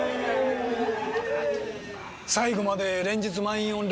最後まで連日満員御礼。